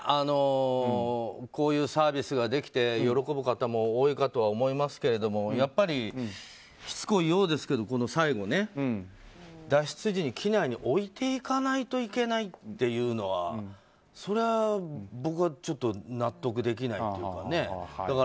こういうサービスができて喜ぶ方も多いかとは思いますけれどもやっぱりしつこいようですけどこの最後、脱出時に機内に置いていかないといけないというのはそれは、僕はちょっと納得できないというかね。